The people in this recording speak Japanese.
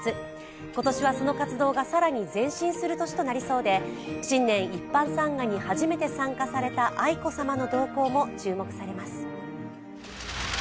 今年はその活動が更に前進する年となりそうで新年一般参賀に初めて参加された愛子さまの動向も注目されます。